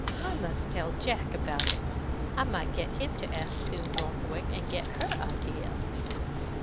I must tell Jack about it. I might get him to ask Sue Northwick, and get her ideas."